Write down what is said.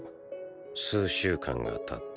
数週間が経った。